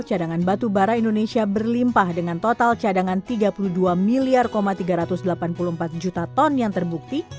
cadangan batu bara indonesia berlimpah dengan total cadangan tiga puluh dua miliar tiga ratus delapan puluh empat juta ton yang terbukti